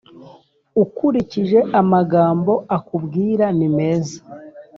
Ukurikije amagambo akubwira nimeza